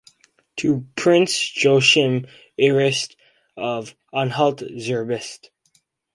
"To Prince Joachim Ernest of Anhalt-Zerbst".